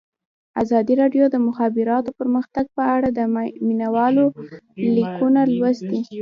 ازادي راډیو د د مخابراتو پرمختګ په اړه د مینه والو لیکونه لوستي.